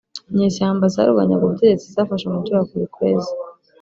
inyeshyamba zarwanyaga ubutegetsi zafashe umujyi wa Kolkwezi